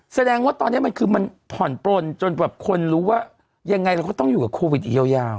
แสดงว่าตอนนี้มันคือมันผ่อนปลนจนแบบคนรู้ว่ายังไงเราก็ต้องอยู่กับโควิดอีกยาว